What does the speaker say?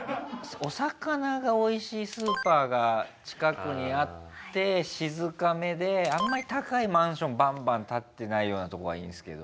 お魚がおいしいスーパーが近くにあって静かめであんまり高いマンションバンバン建ってないような所がいいんですけど。